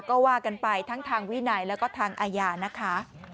ก็ว่ากันไปทั้งทางวินัยแล้วก็ทางอาญานะคะ